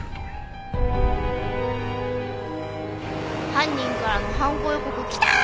犯人からの犯行予告キター！